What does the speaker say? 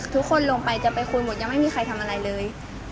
ทุกคนลงไปจะไปคุยหมดยังไม่มีใครทำอะไรเลย